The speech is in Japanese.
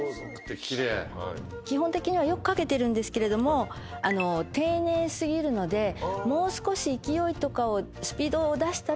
基本的にはよく書けてるんですけれども丁寧すぎるのでもう少し勢いとかをスピードを出したら。